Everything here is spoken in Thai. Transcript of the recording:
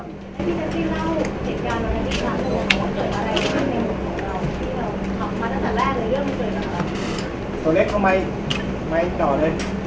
ส่วนเล็กเอาไมค์ไมค์ต่อเลย